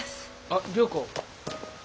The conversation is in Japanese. あっ良子。